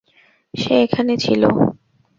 সে এখানে ছিল।